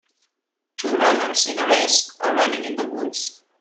Two runners in a race are running in the woods.